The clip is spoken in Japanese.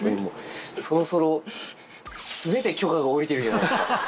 そろそろ、すべて許可が下りてるじゃないですか。